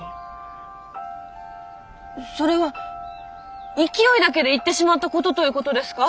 それは勢いだけで言ってしまったことということですか？